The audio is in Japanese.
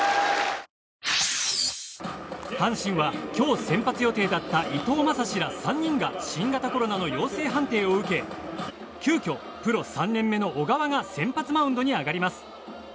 阪神は今日先発予定だった伊藤将司ら３人が新型コロナの陽性判定を受け急きょ、プロ３年目の小川が先発マウンドに上がります。